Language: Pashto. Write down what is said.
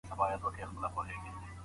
ستړي نقاش له بېړۍ ګام کېښوده